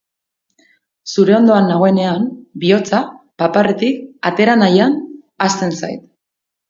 Zure ondoan nagoenean bihotza paparretik atera nahian hasten zait.